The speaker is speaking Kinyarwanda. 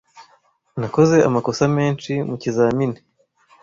Nakoze amakosa menshi mu kizamini.